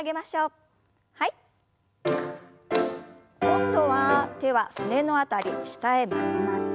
今度は手はすねの辺り下へ曲げます。